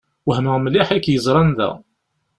Wehmeɣ mliḥ i k-yeẓran da.